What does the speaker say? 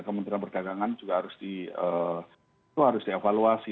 kementerian perdagangan juga harus dievaluasi